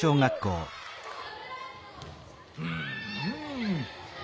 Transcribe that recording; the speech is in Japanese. うんうん。